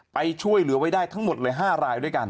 ไปช่วยเหลือไว้ได้ทั้งหมดเลย๕รายด้วยกัน